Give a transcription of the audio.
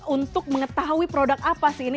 untuk mengetahui produk apa sih ini